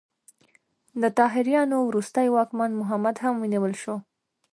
د طاهریانو وروستی واکمن محمد هم ونیول شو.